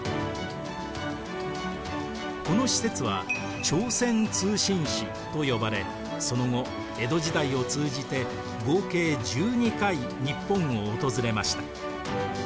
この使節は朝鮮通信使と呼ばれその後江戸時代を通じて合計１２回日本を訪れました。